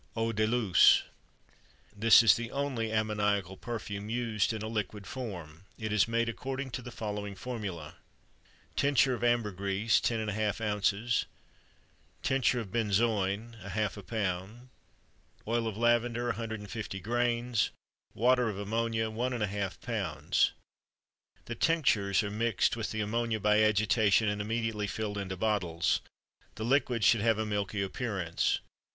EAU DE LUCE. This is the only ammoniacal perfume used in a liquid form. It is made according to the following formula: Tincture of ambergris 10½ oz. Tincture of benzoin ½ lb. Oil of lavender 150 grains. Water of ammonia 1½ lb. The tinctures are mixed with the ammonia by agitation and immediately filled into bottles; the liquid should have a milky appearance.